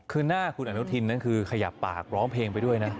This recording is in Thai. คือหน้าคุณอนุทินนั่นคือขยับปากร้องเพลงไปด้วยนะ